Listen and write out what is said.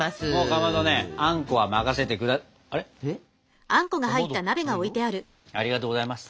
かまどありがとうございます。